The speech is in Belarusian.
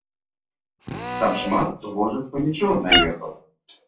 Там шмат гожых панічоў наехала.